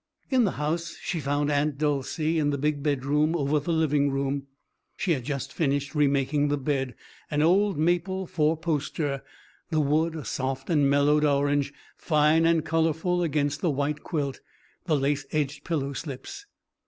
In the house she found Aunt Dolcey in the big bedroom over the living room. She had just finished remaking the bed an old maple four poster, the wood a soft and mellowed orange, fine and colourful against the white quilt, the lace edged pillow slips.